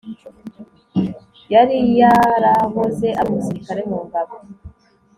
yari yarahoze ari umusirikare mu ngabo